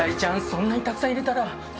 そんなにたくさん入れたら。